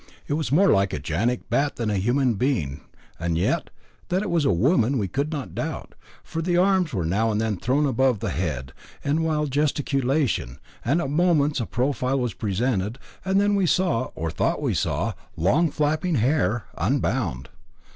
It was more like a gigantic bat than a human being, and yet, that it was a woman we could not doubt, for the arms were now and then thrown above the head in wild gesticulation, and at moments a profile was presented, and then we saw, or thought we saw, long flapping hair, unbound.